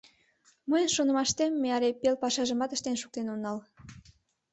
Мыйын шонымаштем, ме але пел пашажымат ыштен шуктен онал.